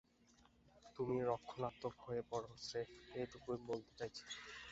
তুমি রক্ষণাত্মক হয়ে পড়ো, স্রেফ এটুকুই বলতে চাইছি।